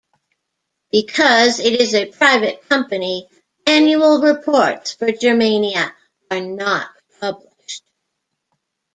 Because it is a private company, annual reports for Germania are not published.